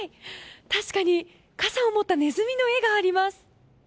確かに傘を持ったネズミの絵があります。